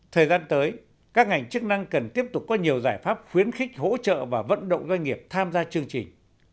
thời gian tới các ngành chức năng cần tiếp tục có nhiều giải pháp khuyến khích hỗ trợ và vận động doanh nghiệp tham gia chương trình